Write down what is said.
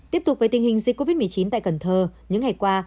tiếp tục với tình hình dịch covid một mươi chín tại cần thơ những ngày qua